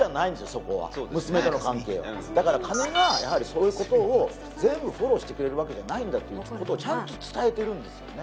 そこは娘との関係はだから金がやはりそういうことを全部フォローしてくれるわけじゃないんだということをちゃんと伝えてるんですよね